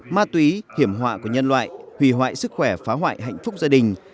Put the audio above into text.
ma túy hiểm họa của nhân loại hủy hoại sức khỏe phá hoại hạnh phúc gia đình